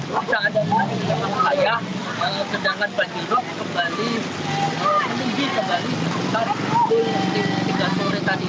bisa ada yang mengayah jendangan banjirop kembali menunggu kembali seputar tiga sore tadi